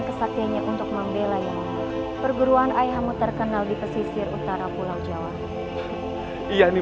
kesatianya untuk membelainya perguruan ayahmu terkenal di pesisir utara pulau jawa iya nih